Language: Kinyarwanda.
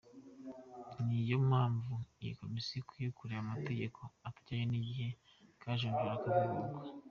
Ni yo mpamvu iyi Komisiyo ikwiye kureba amategeko atajyanye n’igihe ikayajonjora akavugururwa.